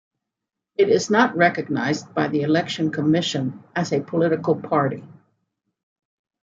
It is not recognized by the Election Commission as a political party.